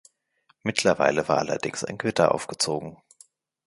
Mittlerweile war allerdings ein Gewitter aufgezogen.